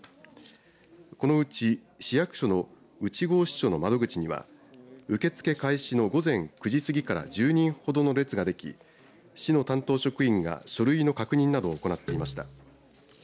このうち市役所の内郷支所の窓口には受け付け開始の午前９時過ぎから１０人ほどの列ができ市の担当職員が書類の確認などを行っていました。